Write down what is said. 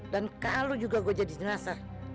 dan kalau juga gue jadi jenazah